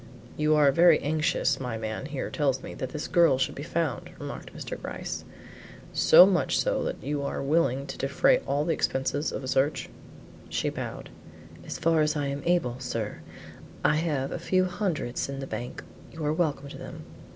"You are very anxious, my man here tells me, that this girl should be found?" remarked Mr. Gryce; "so much so that you are willing to defray all the expenses of a search?" She bowed. "As far as I am able sir; I have a few hundreds in the bank, you are welcome to them.